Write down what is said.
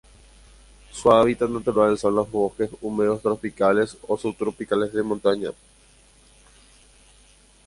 Su hábitat natural son los bosques húmedos tropicales o subtropicales de montaña.